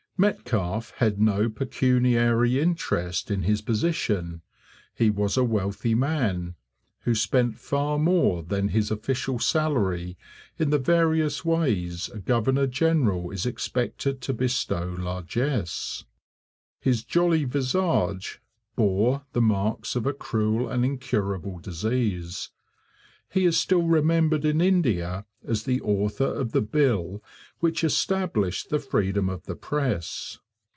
Metcalfe had no pecuniary interest in his position. He was a wealthy man, who spent far more than his official salary in the various ways a governor general is expected to bestow largesse. His 'jolly visage' bore the marks of a cruel and incurable disease. He is still remembered in India as the author of the bill which established the freedom of the press.